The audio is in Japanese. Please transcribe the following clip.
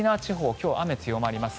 今日は雨が強まります。